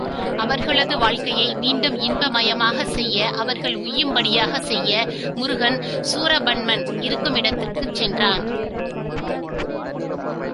அவர்களது வாழ்க்கையை மீண்டும் இன்ப மயமாகக் செய்ய, அவர்கள் உய்யும்படியாகச் செய்ய, முருகன் சூரபன்மன் இருக்குமிடத்துக்குச் சென்றான்.